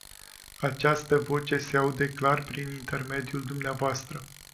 Această voce se aude clar prin intermediul dvs.